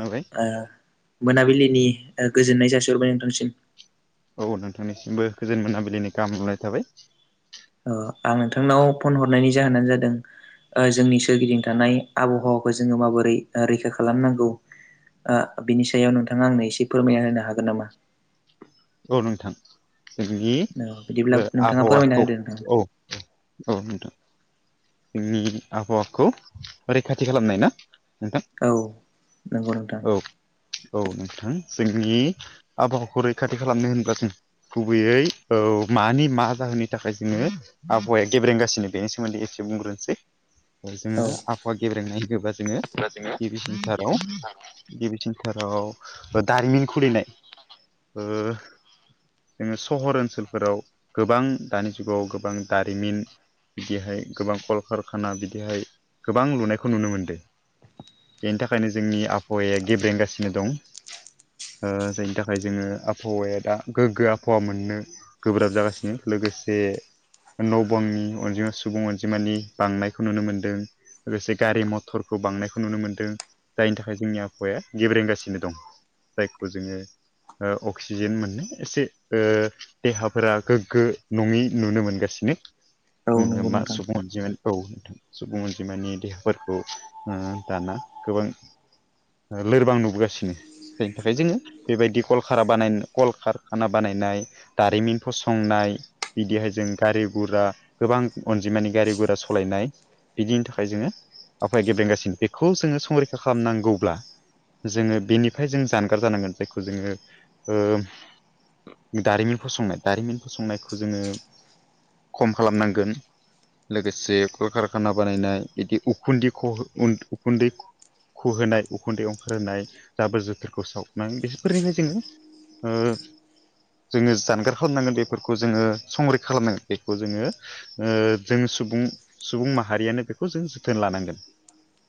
नुबाय ओ मोनाबिलिनि गोजोननाय जासिहरबाय नोंथांसिम औ नोंथांनिसिमबो गोजोन मोनाबिलिनि गाहामलायनाय थाबाय आं नोंथांनाव फन हरनायनि जाहोनानो जादों जोंनि सोरगिदिं थानाय आबहावाखौ जोङो माबोरै रैखा खालामनांगौ ओ बिनि सायाव नोंथाङा आंनो एसे फोरमायना होनो हागोन नामा औ नोंथां जोंनि औ बिदिब्ला नोंथाङा फोरमायना आबहावाखौ होदो नोंथां औ औ नोंथां जोंनि आबहावाखौ रैखाथि खालामनाय ना नोंथां औ नंगौ नोंथां औ औ नोंथां जोंनि आबहावाखौ रैखाथि खालामनो होनब्ला जों गुबैयै औ मानि मा जाहोननि थाखाय जोङो आबहावाया गेब्रेंगासिनो बेनि सोमोनदै एसे बुंग्रोनोसै जोङो औ आबहावा गेब्रेंनाय होनोबा जोङो गिबि सेन्टाराव गिबि सेन्थाराव दारिमिन खुलिनाय ओ जोङो सहर ओनसोलफोराव गोबां दानि जुगाव गोबां दारिमिन बिदिहाय गोबां कल कारखाना बिदिहाय गोबां लुनायखौ नुनो मोनदों बेनि थाखायनो जोंनि आबहावाया गेब्रेंगासिनो दं ओ जायनि थाखाय जोङो आबहावाया दा गोग्गो आबहावा मोननो गोब्राब जागासिनो लोगोसे न' बांनि अनजिमा सुबुं अनजि जिमानि बांनायखौ नुनो मोनदों लोगोसे गारि मथरखौ बांनायखौ नुनो मोनदों जायनि थाखाय जोंनि आबहावाया गेब्रेंगासिनो दं जायखौ जोङो ओ अक्सिजेन मोननाय एसे ओ देहाफोरा गोग्गो नङै नुनो मोनगासिनो औ नंगौ मा नोंथां सुब अनजिमानि औ नोंथां सुबुं अनजिमानि देहाफोरखौ दाना गोबां लोरबां नुबोगासिनो जायनि थाखाय जोङो बेबायदि कलखा बानाय कल कारखाना बानायनाय दारिमिन फसंनाय बिदिहाय जों गारि गुरा गोबां अन जिमानि गारि गुरा सालायनाय बिदिनि थाखाय जोङो आबहावाया गेब्रेंगासिनो बेखौ जोङो संरैखा खालामनांगौब्ला जोङो बेनिफ्राय जों जानगार जानांगोन बेखौ जोङो ओ दारिमिन फसंनाय दारिमिन फसंनायखौ जोङो खम खालामनांगोन लोगोसे कल कारखाना बानायनाय बिदि उखुनदै ख उखुनदै खुहोनाय उखुनदै ओंखारहोनाय जाबोर जोथोरखौ सावनानै बिसोरफोरनिफ्राय जोङो ओ जोङो जानगार खालामनांगोन बेफोरखौ जोङो संरैखा खालामनांगोन बेखौ जोङो ओ जोङ सुबुं सुबुं माहारियानो बेखौ जों जोथोन लानांगोन।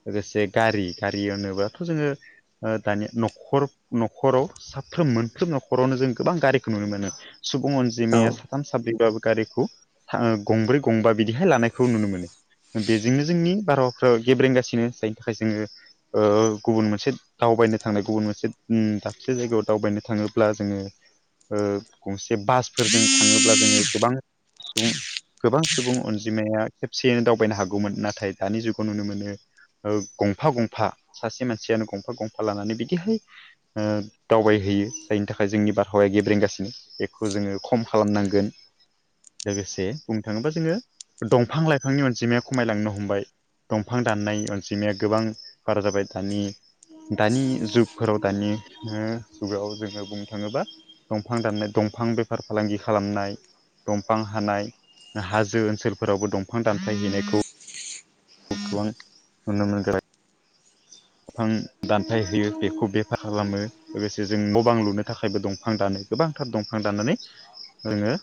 लोगोसे गारि गारि होनोबाथ' जोङो ओ दानि न'खर न'खराव साफ्रोम मोनफ्रोम न'खरावनो जों गोबां गारिखौ नुनो मोनो। सुबुं औ अनजिमाया साथाम साब्रैबाबो गारिखौ [unintelligible] गंब्रै गंबा बिदिहाय लानायखौ नुनो मोनो। बेजोंनो जोंनि बारहावाफ्रा गेब्रेंगासिनो जायनि थाखाय जोङो ओ गुबुन मोनसे दावबायनो थांनाय गुबुन मोनसे दाबसे जायगायाव दावबायनो थाङोब्ला जोङो ओ गंसे बासफोरजों थाङोब्ला जोङो गोबां सुबुं गोबां सुबुं अनजिमाया खेबसेयैनो दावबायनो हागौमोन नाथाय दानि जुगाव नुनो मोनो। ओ गंफा गंफा सासे मानसियानो गंफा गंफा लानानै बिदिहाय ओ दावबायहैयो जायनि थाखाय जोंनि बारहावाया गेब्रेंगासिनो बेखौ जोङो खम खालामनांगोन लोगोसे बुंनो थाङोबा जोङो दंफां लाइफांनि अनजिमाया खमायलांनो हमबाय। दंफां दाननाय अनजिमाया गोबां बारा जाबाय दानि दानि जुगफोराव दानि जुगाव जोङो बुंनो थाङोबा दंफां दाननाय दंफां बेफार फालांगि खालामनाय दंफां हानाय हाजो ओनसोलफोरावबो दंफां दानफाय हैनायखौ [unintelligible] बिफां दानफाय होयो बेखौ बेफार खालामो। लोगोसे जों न' बां लुनो थाखायबो दंफां दानो गोबांथार दंफां दानानै जोङो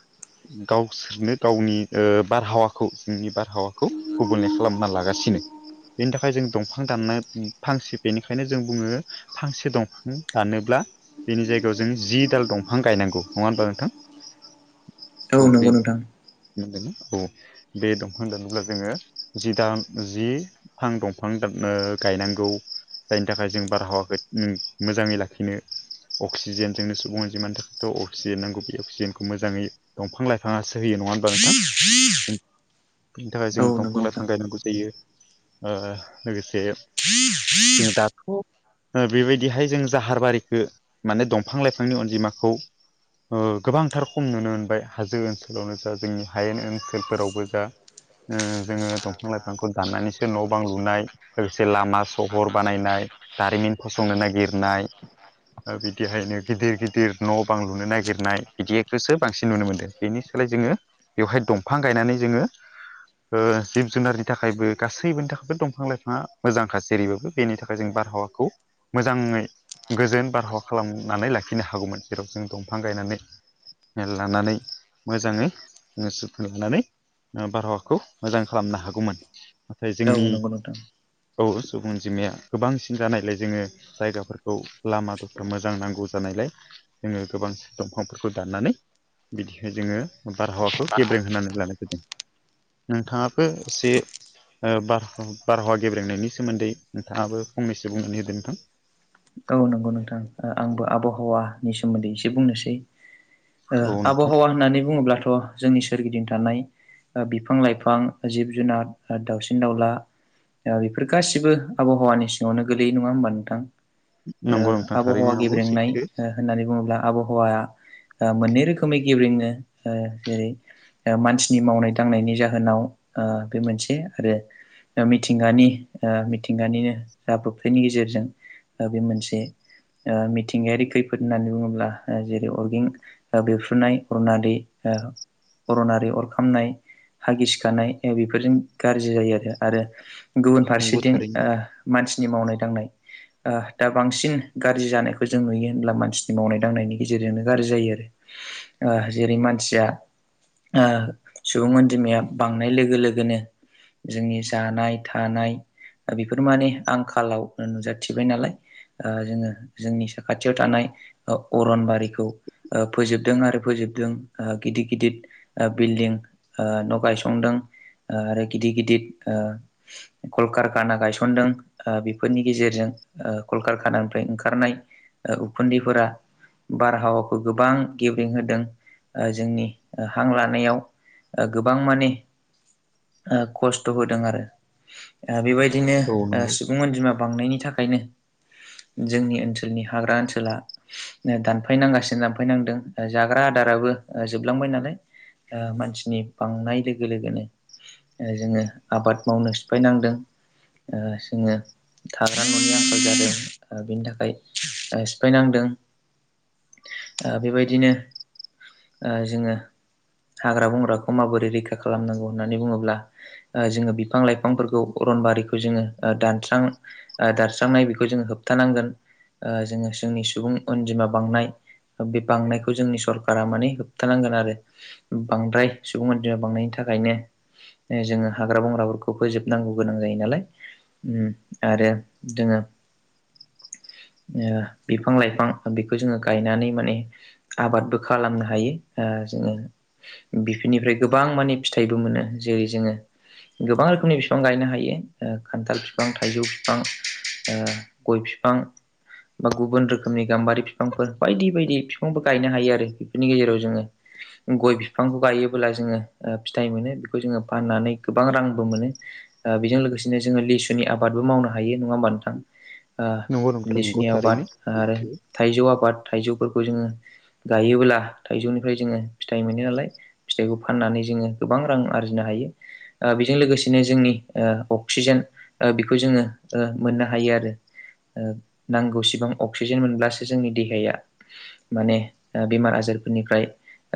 गावसोरनो गावनि ओ बारहावाखौ जोंनि बार आबहावाखौ गुबुनल खालामना लागासिनो बेनि थाखाय जों दंफां दाननो फांसे बेनिखायनो जों बुङो फांसे दंफां दानोब्ला बेनि जायगायाव जों जि दाल दंफां गायनांगौ नङा होमबा नोंथां? औ नंगौ नोंथां बेदों औ बे दंफां होनोब्ला जोङो जि दन जि बिफां दंफां [unintelligible] गायनांगौ जायनि थाखाय जों बारहावाखौ मोजाङै लाखिनो अक्सिजेन जोंनो सुबुं अनजिमानि थाखायथ' अक्सिजेन नांगौ बे अक्सिजेनखौ मोजाङै दंफां लाइफाङासो होयो नङा होनबा नोंथां? बेनि थाखाय जों औ नंगौ दंफां लाइफां नोंथां गायनांगौ जायो ओ लोगोसे जों दाथ' ओ बेबायदिहाय जों जाहारबारिखौ माने दंफां लाइफांनि अनजिमाखौ ओ गोबांथार खम नुनो मोनबाय हाजो ओनसोलावनो जा जोंनि हायेन ओनसोलफोरावबो जा ओ जोङो दंफां लाइफांखौ दान्नानैसो न' बां लुनाय लोगोसे लामा मा सहर मा बानायनाय दारिमिन फसंनो नागिरनाय [unintelligible] ओ बिदिहायनो गिदिर गिदिर न' बां लुनो नागिरनाय बिदिखौसो बांसिन नुनो मोन्दों। बेनि सोलाय जोङो बेवहाय दंफां गायनानै जोङो ओ जिब जुनारनि थाखायबो गासैबोनि थाखायबो' दंफां लाइफाङा मोजांखासो। जेरैबाबो बेनि थाखाय जों बारहावाखौ मोजाङै गोजोन बारहावा खालामनानै लाखिनो हागौमोन जेराव जों दंफां गायनानै लानानै मोजाङै जोङो ओ सुखुन लानानै बारहावाखौ मोजां खालामनो हागौमोन नाथाय औ जोंनि नंगौ नोंथां औ सुबुं अनजिमाया गोबांसिन जानायलाय जोङो जायगाफोरखौ लामा दफा मोजां नांगौ जानायलाय जोङो गोबां दंफांफोरखौ दाननानै बिदिह जोङो बारहावाखौ गेब्रें होननानै लानाय [unintelligible] नोंथाङाबो एसे ओ बारहावा गेब्रेंनायनि सोमोन्दै नोंथाङाबो फंनैसो बुंनानै होदो नोंथां। नं नंगौ नोंथां ओ आंबो आबहावानि सोमोन्दै एसे बुंनोसै। ओ औ नोंथां आबहावा होननानै बुङोब्लाथ' जोंनि सोरगिदिं थानाय बिफां लाइफां जिब जुनार दाउसिन दाउला ओ बेफोर गासिबो आबहावानि सिङावनो गोलैयै नङा होमबा नोंथां। ओ नंगौ नोंथां थारैनो आबहावा नंगौ गेब्रेंनाय सैथो होननानै बुङोब्ला आबहावाया ओ मोननै रोखोमै गेब्रंङो ओ जेरै ओ मानसिनि मावनाय दांनायनि जाहोनाव ओ बे मोनसे आरो मिथिंगानि ओ मिथिंगानिनो जाब्रबथायनि गेजेरजों बे मोनसे ओ मिथिंगायारि खैफोद होननानै बुङोब्ला जेरै अरगें बेफ्रुनाय अरना दै अरनारि अर खामनाय हा गिसिखानाय बेफोरजों गाज्रि जायो आरो आरो गुबुन नंगौ फारसेथिं थारैनो ओ मानसिनि मावनाय दांनाय दा बांसिन गाज्रि जानायखौ जों नुयो होनब्ला मानसिनि मावनाय दांनायनि गेजेरजोंनो गाज्रि जायो। ओ जेरै मानसिया ओ सुबुं अनजिमाया बांनाय लोगो लोगोनो जोंनि जानाय थानाय बेफोर माने आंखालाव नुजाथिबाय नालाय ओ जोङो जोंनि साखाथियाव थानाय अरनबारिखौ फोजोबदों आरो फोजोबदों गिदिर गिदिर बिल्डिं ओ न' गायसंदों आरो गिदिर गिदिर कलकारखाना गायसनदों ओ बेफोरनि गेजेरजों ओ कलकारखानानिफ्राय ओंखारनाय उखुन्दैफोरा बारहावाखौ गोबां गेब्रेंं होदों जोंनि हां लानायाव गोबां मानि खस्थ' होदों आरो। बेबायदिनो औ ओ नंगौ सुबुं अनजिमा बांनायनि थाखायनो जोंनि ओनसोलनि हाग्रा ओनसोला दानफायनांगासिनो दानफायनांदों जाग्रा आदाराबो जोबलांबाय नालाय मानसिनि बांनाय लोगो लोगोनो जोङो आबाद मावनो सिफायनांदों। ओ जोङो थाग्रा न'नि आंखाल जादों। बिनि थाखाय ओ सिफायनांदों। ओ बेबायदिनो ओ जोङो हाग्रा बंग्राखौ माबोरै रैखा खालामनांगौ होननानै बुङोब्ला ओ जोङो बिफां लाइफांफोरखौ अरनबारिखौ जोङो दानस्रां दानस्रांनाय बेखौ जोङो होबथानांगोन ओ जोङो जोंनि सुबुं अनजिमा बांनाय बे बांनायखौ जोंनि सरखारा माने होबथानांगोन आरो। बांद्राय सुबुं अन्जिमा बांनायनि थाखायनो जोङो हाग्रा बंग्राफोरखौ फोजोबनांगौ गोनां जायो नालाय उम आरो जोङो ओ बिफां लाइफां बेखौ जोङो गायनानै माने आबादबो खालामनो हायो ओ जोङो बेफोरनिफ्राय गोबां माने फिथाइबो मोनो जेरै जोङो गोबां रोखोमनि बिफां गायनो हायो ओ खान्थाल बिफां थाइजौ बिफां ओ गय फिफां बा गुबुन रोखोमनि गाम्बारि फिफांफोर बायदि बायदि फि फांबो गायनो हायो आरो बेफोरनि गेजेराव जोङो गय बिफांखौ गायोबोब्ला जोङो फिथाइ मोनो बेखौ जोङो फाननानै गोबां रांबो मोनो ओ बेजों लोगोसेनो जोङो लिसुनि आबादबो मावनो हायो नङा होमबा नोंथां। ओ नंगौ नोंथां नंगौ लिसुनि थारैनो आबाद आरो सैथो थाइजौ आबाद थाइजौफोरखौ जोङो गायोबोब्ला थाइजौनिफ्राय जोङो फिथाइ मोनो नालाय फिथाइखौ फाननानै जोङो गोबां रां आरजिनो हायो। ओ बेजों लोगोसेनो जोंनि ओ अक्सिजेन बेखौ जोङो ओ मोननो हा हायो आरो ओ नांगौसिबां अक्सिजेन मोनब्लासो जोंनि देहाया माने ओ बेमार आजारफोरनिफ्राय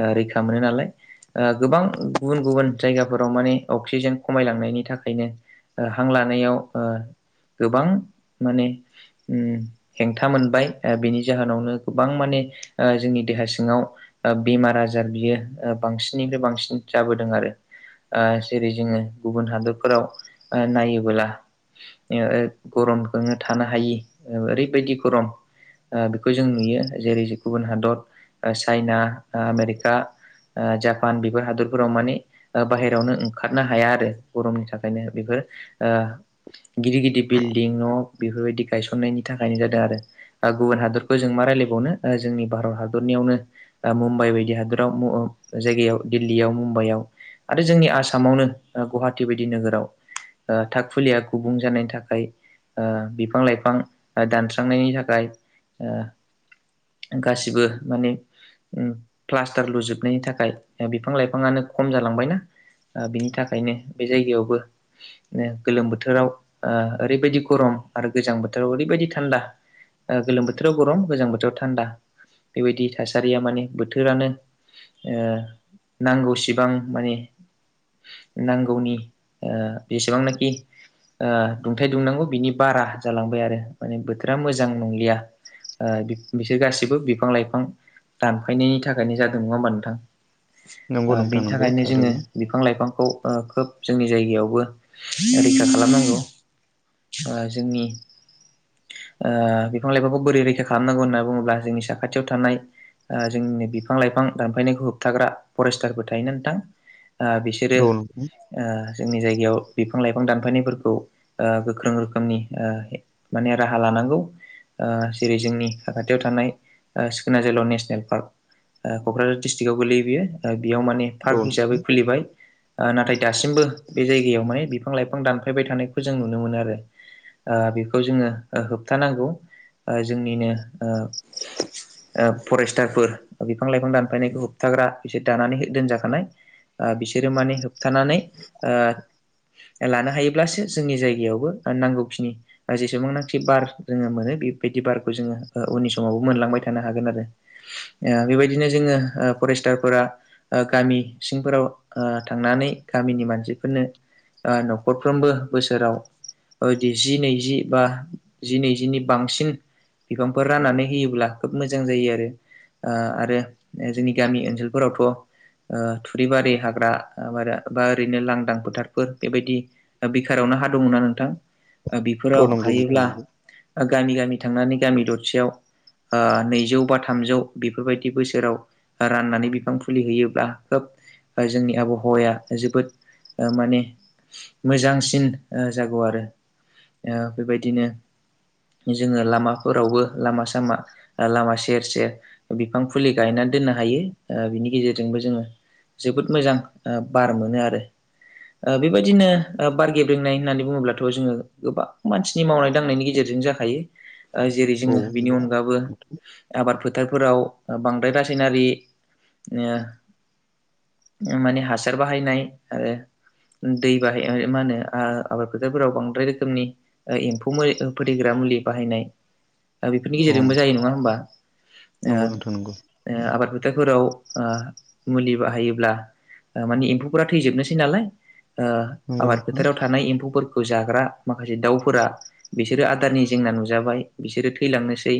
ओ रैखा मोनो नालाय ओ गोबां गुबुन गुबुन जायगाफोराव माने अक्सिजेन खमायलांनायनि थाखायनो ओ हां लानायाव ओ गोबां माने उम हेंथा मोनबाय ओ बेनि जाहोनावनो गोबां माने जोंनि देहा सिङाव ओ बेमार आजार बियो ओ बांसिननिफ्राय बांसिन जाबोदों आरो ओ जेरै जोङो गुबुन हादरफोराव ओ‌ नायोबोला गरमखोनो थानो हायि ओरैबायदि गरम ओ बेखौ जों नुयो जेरै जे गुबुन हादर चाइना ओ आमेरिका ओ जापान बेफोर हादरफोराव मानि ओ बाहेरायावनो ओंखारनो हाया आरो गरमनि थाखायनो बेफोर ओ‌‌ गिदिर गिदिर बिल्डिं न' बेफोरबायदि गायसननायनि थाखायनो जादों आरो ओ गुबुन हादरखौ जों मा रायजलायबावनो जोंनि भारत हादरनिआवनो ओ मुम्बाइ बायदि हादराव उम जायगायाव दिल्लीआव मुम्बाइआव आरो जोंनि आसामावनो ओ गुवाहाटी बायदि नोगोराव ओ थाखाग फुलिआ ओ गुबुं जानायनि थाखाय थाखाय ओ बिफां लाइफां दानस्रांनायनि थाखाय ओ गासिबो मानि उम प्लास्टार लुजोबनायनि थाखाय बिफां लाइफांआनो खम जालांबायना ओ बिनि थाखायनो बे जायगायावबो ओ गोलोम बोथोराव ओ ओरैबादि गरम आरो गोजां बोथोराव ओरैबादि थान्दा ओ गोलोम बोथोराव गरम गोजां बोथोराव थानदा बेबायदि थासारिआ माने बोथोरानो ओ नांगौसिबां मानि नांगौनि ओ बेसेबांनाखि ओ दुंथाइ दुंनांगौ बिनि बारा जालांबाय आरो माने बोथोरा मोजां नंलिआ ओ बिसोर गासिबो बिफां लाइफां दानफायनायनि थाखायनो जादों नङा होमबा नोंथां नंगौ ओ नोंथां बेनि नंगौ थाखायनो जोङो थारैनो बिफां लाइफांखौ ओ खोब जोंनि जायगायावबो रैखा खालामनांगौ ओ जोंनि ओ बिफां लाइफांखौ बोरै रैखा खालामनांगौ होननानै बुङोब्ला जोंनि साखाथिआव थानाय ओ जोंनि बिफां लाइफां दानफायनायखौ होबथाग्रा फरेस्टारबो थायोना नोंथां बिसोर ओ औ नोंथां बिसोरो ओ जोंनि जायगायाव बिफां लाइफां दानफायनायफोरखौ ओ गोख्रों रोखोमनि माने राहा लानांगौ ओ जेरै जोंनि साखाथियाव थानाय ओ सिखोना जोहोलाव नेसनेल पार्क ओ क'क्राझार दिस्ट्रिकटआव गोलैयो ओ बेआव माने औ पार्क हिसाबै नोंथां खुलिबाय ओ नाथाय दासिमबो बे जायगायाव माने बिफां लाइफां दानफायबाय थानायखौ खौ जों नुनो मोनो आरो ओ बेखौ जोङो होबथानांगौ ओ जोंनिनो ओ ओ फरेस्टारफोर बिफां लाइफां दानफायनायखौ होबथाग्रा बिसोर दानानै दोनजाखानाय ओ बिसोरो माने होबथानानै ओ लानो हायोब्लासो जोंनि जायगायावबो नांगौखिनि जेसेबांनाखि बार जोङो मोनो बेबायदि बारखौ जोङो ओ उननि समावबो मोनलांबाय थानो हागोन आरो ओ बेबायदिनो जोङो फरेस्टारफोरा गामि सिंफोराव ओ थांनानै गामिनि मानसिफोरनो ओ न'खरफ्रोमबो बोसोराव ओ दि जि नैजि बा जि नैजिनि बांसिन बिफांफोर राननानै होयोब्ला खोब मोजां जायो आरो ओ आरो जोंनि गामि ओनसोलफोरावथ' ओ थुरि बारि हाग्रा बा ओरैनो लांदां फोथारफोर बेबायदि सेरावनो हा दंङ ना नोंथां औ बेफोराव नंगौ नोंथां हायोब्ला नंगौ गामि गामि थांनानै गामि दरसेआव ओ नैजौ बा थामजौ बेफोरबायदि बोसोराव राननानै बिफां फुलि होयोब्ला खोब ओ जोंनि आबहावाया जोबोद माने मोजांसि सिन जागौ आरो ओ बेबायदिनो जोङो लामाफोरावबो लामा सामा लामा सेर सेर बिफां फुलि गायनानै दोननो हायो बिनि गेजेरजोंबो जोङो जोबोद मोजां बार मोनो आरो बेबायदिनो बार गेब ब्रेंनाय होननानै बुङोब्लाथ' जोङो गोबां मानसिनि मावनाय दांनायनि गेजेरजों जाखायो ओ जेरै औ जोङो बेनि नंगौ अनगाबो नोंथां आबाद फोथारफोराव बांद्राय रासायनारि ओ माने हासार बाहायनाय आरो दै बाहाय मा होनो आबाद फोथारफोराव बांद्राय रोखोमनि एम्फौ मो फोथैग्रा मुलि बाहायनाय बेफोरनि औ गेजेरजोंबो जायो नङा होमबा नंगौ नंगौ नोंथां नंगौ ओ-ओ आबाद फो थाफोराव मुलि बाहायोब्ला मानि एम्फौफोरा थैजोबनोसै नालाय नंगौ आबाद नोंथां फोथाराव थानाय एम्फौफोरखौ जाग्रा माखासे दाउफोरा बिसोरो आदारनि जेंना नुजाबाय बिसोरो थैलांनोसै